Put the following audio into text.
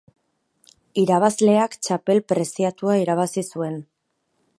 Irabazleak txapel preziatua irabazi zuen.